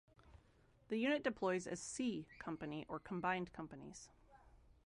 The unit deploys as "C" Company or combined Companies.